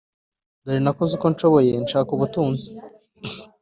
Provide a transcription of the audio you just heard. dore nakoze uko nshoboye nshaka ubutunzi